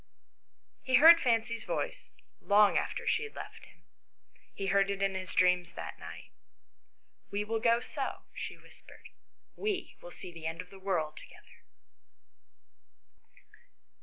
He heard Fancy's voice long after she had left him. He heard it in his dreams that night. " We will go so far," she whispered. " We will see the end of the world together."